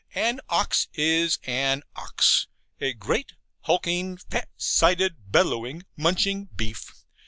An ox is an ox a great hulking, fat sided, bellowing, munching Beef.